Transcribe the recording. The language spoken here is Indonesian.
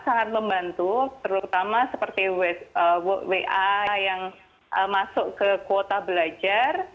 sangat membantu terutama seperti wa yang masuk ke kuota belajar